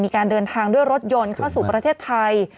มีการเดินทางด้วยรถยนต์เข้าสู่ประเทศไทย